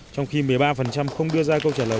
trong khi một mươi ba không đưa ra câu trả lời